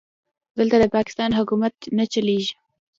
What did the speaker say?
دلته د پاکستان حکومت نه چلېږي.